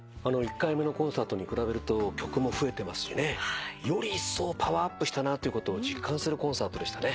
１回目のコンサートに比べると曲も増えてますしねよりいっそうパワーアップしたなということを実感するコンサートでしたね。